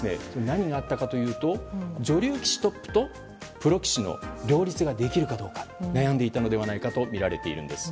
何があったかというと女流棋士トップとプロ棋士の両立ができるかどうか悩んでいたのではないかとみられているんです。